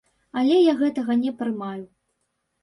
Але я гэтага не прымаю.